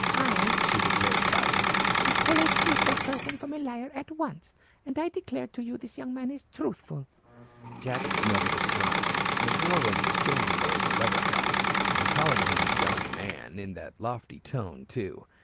I," she declared proudly, "can tell a truthful person from a liar at once. And I declare to you this young man is truthful." Jack smothered a smile. The girl was as changeable as a weathercock. And calling him "young man" in that lofty tone, too.